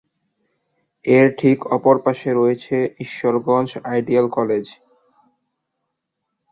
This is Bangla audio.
এর ঠিক অপর পাশে রয়েছে ঈশ্বরগঞ্জ আইডিয়াল কলেজ।